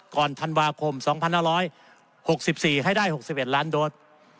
ธันวาคม๒๕๖๔ให้ได้๖๑ล้านโดส